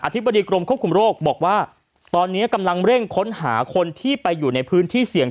ธิบดีกรมควบคุมโรคบอกว่าตอนนี้กำลังเร่งค้นหาคนที่ไปอยู่ในพื้นที่เสี่ยง